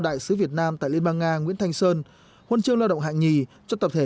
đại sứ việt nam tại liên bang nga nguyễn thanh sơn huân chương lao động hạng nhì cho tập thể